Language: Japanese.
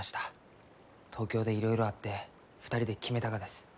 東京でいろいろあって２人で決めたがです。